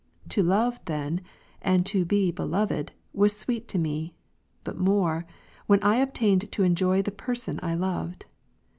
To love then, and to be beloved, was sweet to me ; but more, when I obtained to enjoy the person I loved.